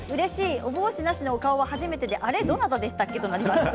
お帽子なしのお顔は初めてで、どなたでしたっけ？となりました。